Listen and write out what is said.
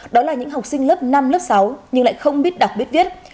đó là những học sinh lớp năm lớp sáu nhưng lại không biết đọc biết viết